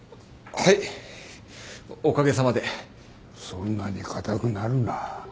そんなに硬くなるな。